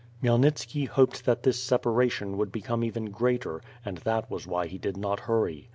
Khymelnitski hoped that this separation would become even greater and that was why he did not hurry.